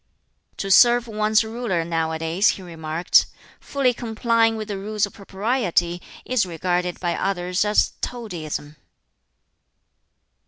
"To serve one's ruler nowadays," he remarked, "fully complying with the Rules of Propriety, is regarded by others as toadyism!"